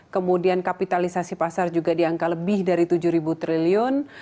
kemudian kapitalisasi pasar juga di angka lebih dari tujuh triliun